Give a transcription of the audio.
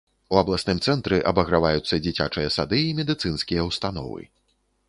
У абласным цэнтры абаграваюцца дзіцячыя сады і медыцынскія ўстановы.